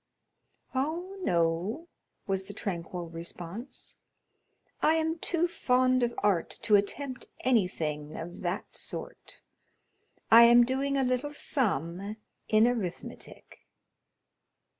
"Oh, no," was the tranquil response; "I am too fond of art to attempt anything of that sort. I am doing a little sum in arithmetic."